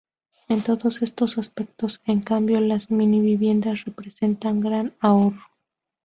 En todos estos aspectos, en cambio, las mini viviendas representan gran ahorro.